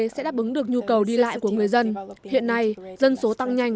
giúp giúp giúp giúp giúp dân số tăng nhanh